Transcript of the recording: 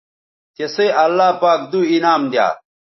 تسئ اللہ پاک دو انعام دی یا